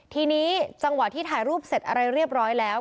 ทีนี้จังหวะที่ถ่ายรูปเสร็จอะไรเรียบร้อยแล้ว